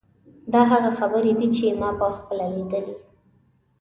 دا هغه خبرې دي چې ما په خپله لیدلې.